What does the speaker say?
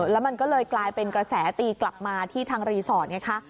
แล้วมันก็เลยกลายเป็นกระแสตีกลับมาที่ทางรีสอร์ทไงคะ